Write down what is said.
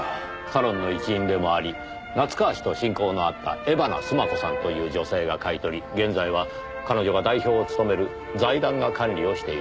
サロンの一員でもあり夏河氏と親交のあった江花須磨子さんという女性が買い取り現在は彼女が代表を務める財団が管理をしているようです。